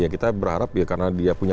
kita berharap ya karena dia punya